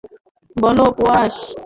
বলো, পোরাস।